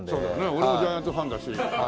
俺もジャイアンツファンだし。